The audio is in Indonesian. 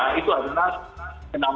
energi kelima itu adalah